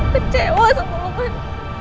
kecewa sama lo